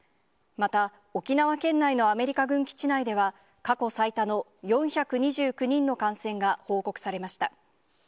また沖縄県内のアメリカ軍基地内では、過去最多の４２９人の感染が報告されました。